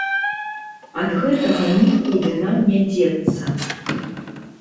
Ад гэтага нікуды нам не дзецца.